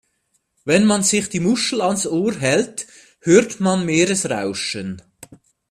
Wenn man sich die Muschel ans Ohr hält, hört man Meeresrauschen.